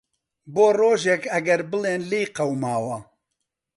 بۆ رۆژێک ئەگەر بڵێن لیێ قەوماوە.